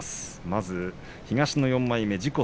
まず東の４枚目自己